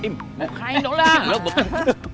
bukain dong lah